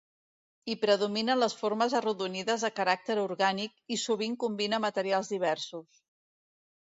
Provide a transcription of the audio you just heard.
Hi predominen les formes arrodonides de caràcter orgànic, i sovint combina materials diversos.